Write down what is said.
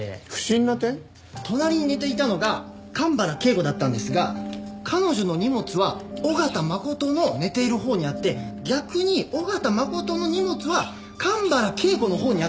隣に寝ていたのが神原恵子だったんですが彼女の荷物は緒方真琴の寝ているほうにあって逆に緒方真琴の荷物は神原恵子のほうにあって。